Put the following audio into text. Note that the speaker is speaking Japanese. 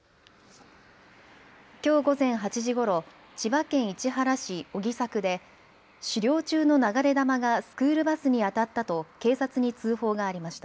きょう午前８時ごろ、千葉県市原市荻作で狩猟中の流れ弾がスクールバスに当たったと警察に通報がありました。